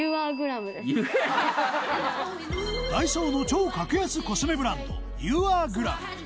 ＤＡＩＳＯの超格安コスメブランドＵＲＧＬＡＭ